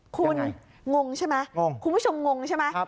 คุณงงใช่ไหมงงคุณผู้ชมงงใช่ไหม